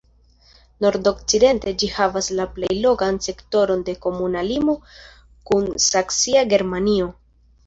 Nordokcidente ĝi havas la plej longan sektoron de komuna limo kun saksia Germanio.